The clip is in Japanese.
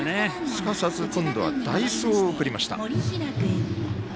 すかさず、今度は代走を送りました。